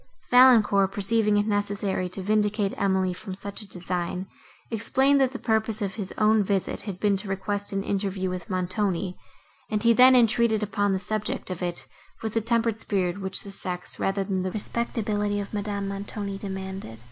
Valancourt, perceiving it necessary to vindicate Emily from such a design, explained, that the purpose of his own visit had been to request an interview with Montoni, and he then entered upon the subject of it, with the tempered spirit which the sex, rather than the respectability, of Madame Montoni, demanded.